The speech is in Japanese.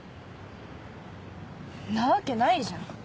んなわけないじゃん。